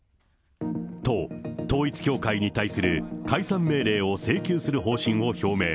と、統一教会に対する解散命令を請求する方針を表明。